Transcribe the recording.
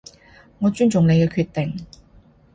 我尊重你嘅決定